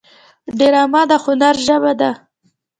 ډرامه د هنر ژبه ده